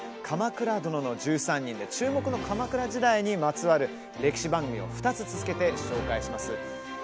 「鎌倉殿の１３人」で注目の鎌倉時代にまつわる歴史番組を２つ続けて紹介します。